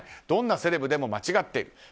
どんなセレブでも間違っている。